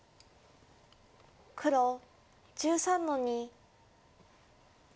黒１３の二。